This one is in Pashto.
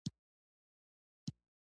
بهیر نننۍ نړۍ درک سره اړخ لګوي.